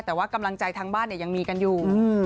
แต่ว่ากำลังใจทางบ้านยังมีกันอยู่